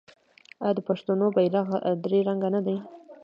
آیا د پښتنو بیرغ درې رنګه نه دی؟